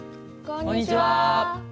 こんにちは！